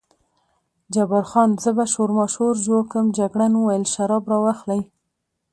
جبار خان: زه به شورماشور جوړ کړم، جګړن وویل شراب را واخلئ.